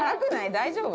大丈夫？